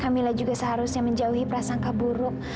kamila juga seharusnya menjauhi prasangka buruk